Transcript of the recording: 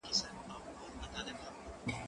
ايا ته موسيقي اورې!.